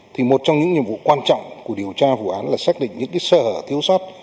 thì một trong những nhiệm vụ quan trọng của điều tra vụ án là xác định những sơ hở thiếu sót